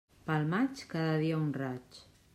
Pel maig, cada dia un raig.